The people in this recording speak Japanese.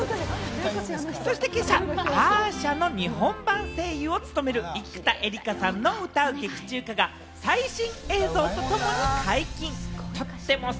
そして今朝、アーシャの日本版声優を務める生田絵梨花さんの歌う劇中歌が最新映像とともに解禁されたんでぃす。